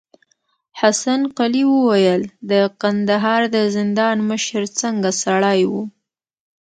حسن قلي وويل: د کندهار د زندان مشر څنګه سړی و؟